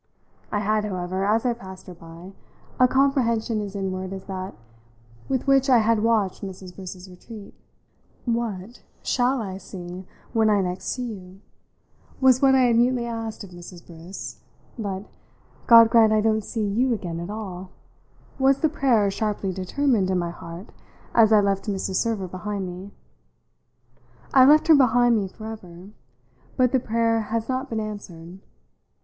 I had, however, as I passed her by, a comprehension as inward as that with which I had watched Mrs. Briss's retreat. "What shall I see when I next see you?" was what I had mutely asked of Mrs. Briss; but "God grant I don't see you again at all!" was the prayer sharply determined in my heart as I left Mrs. Server behind me. I left her behind me for ever, but the prayer has not been answered.